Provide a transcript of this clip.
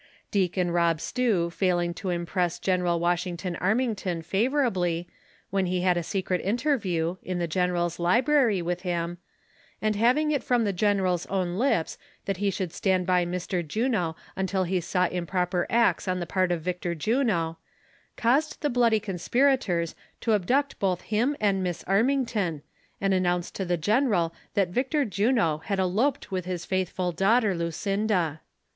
Deacon Rob Stew failing to impress General Wash ington Armington favorably, when he had a secret inter THE CONSPIRATORS AND LOVERS. 63 view, in the general's library, with him ; and having it from the general's own lips, that he should stand by Mr. Juno until lie saw improper acts on the part of Victor Juno, caused the bloody conspirators to abduct both him and Miss Armington, and announce to the general that Victor Juno had eloped with his faithful daughter Lucinda.